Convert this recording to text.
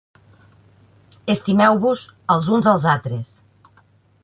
Estimeu-vos els uns als altres.